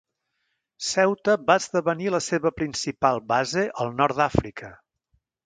Ceuta va esdevenir la seva principal base al nord d'Àfrica.